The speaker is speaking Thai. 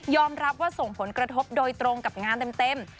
รับว่าส่งผลกระทบโดยตรงกับงานเต็ม